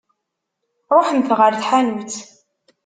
Ṛuḥemt ɣer tḥanut!